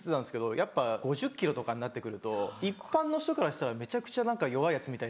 やっぱ５０ｋｇとかになって来ると一般の人からしたらめちゃくちゃ何か弱いヤツみたい。